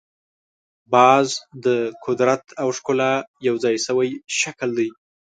باز د قدرت او ښکلا یو ځای شوی شکل دی